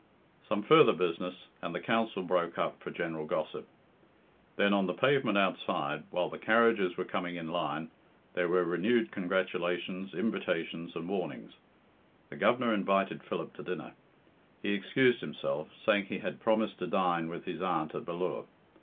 Some further business, and the Council broke up for general gossip. Then, on the pavement outside, while the carriages were coming in line, there were renewed congratulations, invitations, and warnings. The Governor invited Philip to dinner. He excused himself, saying he had promised to dine with his aunt at Ballure.